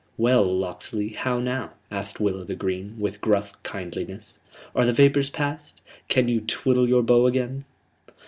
"Well, Locksley, how now?" asked Will o' th' Green, with gruff kindliness. "Are the vapors passed? Can you twiddle your bow again?"